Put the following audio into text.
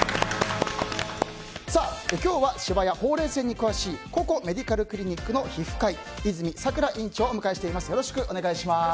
今日はシワやほうれい線に詳しいココメディカルクリニックの皮膚科医、泉さくら院長をお迎えしています。